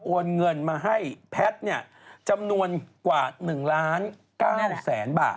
โอนเงินมาให้แพทย์เนี่ยจำนวนกว่า๑๙๐๐๐๐๐บาท